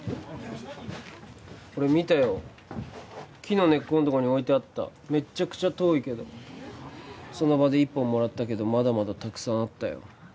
俺見たよ木の根っこのとこに置いてあっためっちゃくちゃ遠いけどその場で１本もらったけどまだまだたくさんあったよ